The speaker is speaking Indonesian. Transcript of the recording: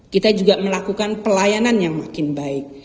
kita juga melakukan pelayanan yang makin baik